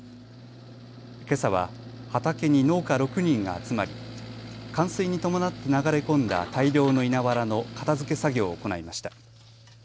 けさは畑に農家６人が集まり冠水に伴って流れ込んだ大量の稲わらの片づけ作業を行いました。